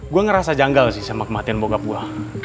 gue ngerasa janggal sih sama kematian bogab gue